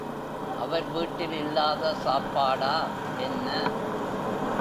அவர் வீட்டில் இல்லாத சாப்பாடா என்ன?